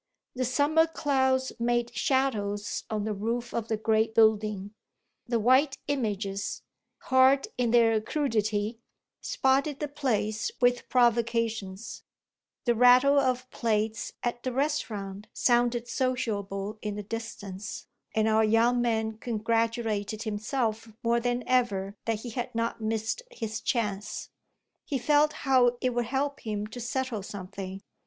The summer clouds made shadows on the roof of the great building; the white images, hard in their crudity, spotted the place with provocations; the rattle of plates at the restaurant sounded sociable in the distance, and our young man congratulated himself more than ever that he had not missed his chance. He felt how it would help him to settle something.